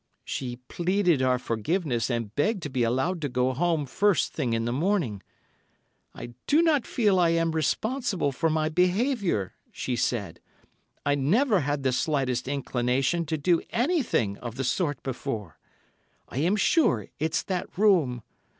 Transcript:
"She pleaded our forgiveness and begged to be allowed to go home first thing in the morning. 'I do not feel I am responsible for my behaviour,' she said. 'I never had the slightest inclination to do anything of the sort before. I am sure it's that room.